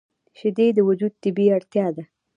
شیدې د وجود طبیعي اړتیا ده